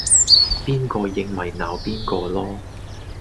邊個應咪鬧邊個囉